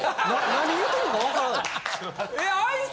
なに言うてるのか分からない。